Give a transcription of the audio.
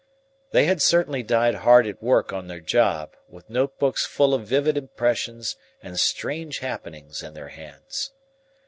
They had certainly died hard at work on their job, with note books full of vivid impressions and strange happenings in their hands.